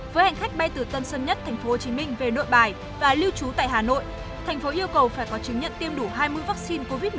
với hành khách bay từ tân sân nhất thành phố hồ chí minh về nội bài và lưu trú tại hà nội thành phố yêu cầu phải có chứng nhận tiêm đủ hai mươi vaccine covid một mươi chín